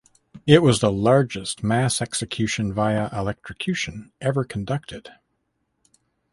It was the largest mass execution via electrocution ever conducted.